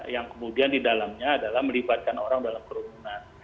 yang kemudian di dalamnya adalah melibatkan orang dalam kerumunan